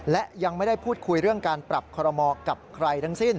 และยังไม่ได้พูดคุยเรื่องการปรับคอรมอกับใครทั้งสิ้น